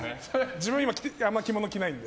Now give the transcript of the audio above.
自分今あんま着物着ないんで。